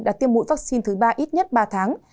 đã tiêm mũi vaccine thứ ba ít nhất ba tháng